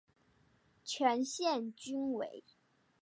全线均为。